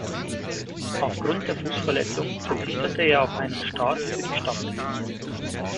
Aufgrund der Fußverletzung verzichtete er auf einen Start für die Staffel.